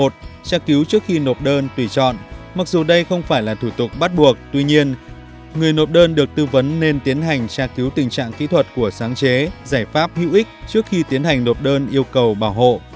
một tra cứu trước khi nộp đơn tùy chọn mặc dù đây không phải là thủ tục bắt buộc tuy nhiên người nộp đơn được tư vấn nên tiến hành tra cứu tình trạng kỹ thuật của sáng chế giải pháp hữu ích trước khi tiến hành nộp đơn yêu cầu bảo hộ